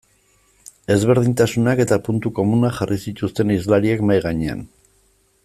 Ezberdintasunak eta puntu komunak jarri zituzten hizlariek mahai gainean.